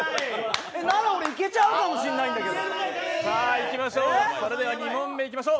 なら、俺いけちゃうかもしれないんだけど。